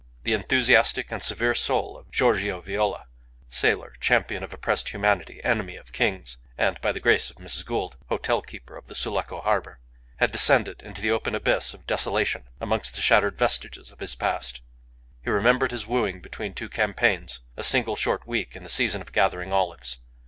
The enthusiastic and severe soul of Giorgio Viola, sailor, champion of oppressed humanity, enemy of kings, and, by the grace of Mrs. Gould, hotel keeper of the Sulaco harbour, had descended into the open abyss of desolation amongst the shattered vestiges of his past. He remembered his wooing between two campaigns, a single short week in the season of gathering olives.